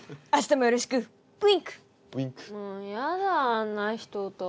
もうやだあんな人と。